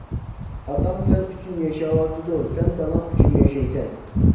ئاتاڭ سەن ئۈچۈن ياشاۋاتىدۇ! سەن بالاڭ ئۈچۈن ياشايسەن!